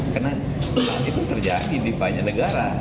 karena itu terjadi di banyak negara